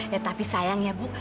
ya tapi sayang ya bu